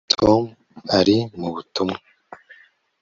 tom ari mu butumwa